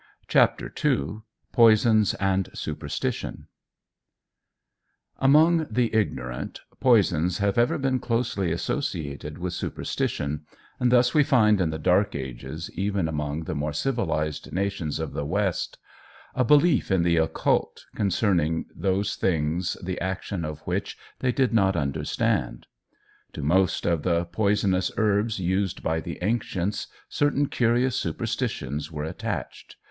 CHAPTER II POISONS AND SUPERSTITION AMONG the ignorant, poisons have ever been closely associated with superstition, and thus we find in the dark ages, even among the more civilized nations of the West, a belief in the occult concerning those things the action of which they did not understand. To most of the poisonous herbs used by the ancients certain curious superstitions were attached.